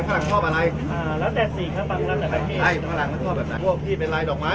เมืองอัศวินธรรมดาคือสถานที่สุดท้ายของเมืองอัศวินธรรมดา